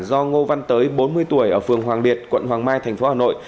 do ngô văn tới bốn mươi tuổi ở phường hoàng liệt quận hoàng mai thành phố hà nội